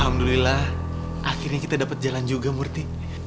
alhamdulillah akhirnya kita dapat jalan juga murti